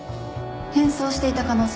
変装していた可能性は？